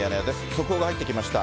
速報が入ってきました。